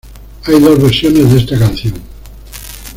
Hay dos versiones de esta canción.